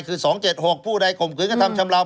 คือ๒๗๖ผู้ใดข่มขืนกระทำชำราว